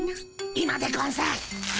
今でゴンス。